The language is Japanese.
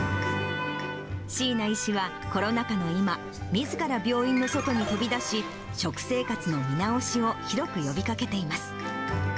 椎名医師はコロナ禍の今、みずから病院の外に飛び出し、食生活の見直しを広く呼びかけています。